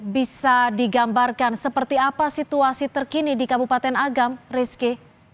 bisa digambarkan seperti apa situasi terkini di kabupaten agam rizky